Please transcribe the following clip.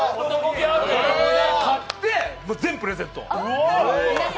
買って全部プレゼント！